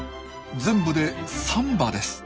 全部で３羽です。